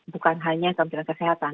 bukan hanya kementerian kesehatan